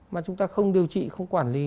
mà chúng ta không điều trị không quản lý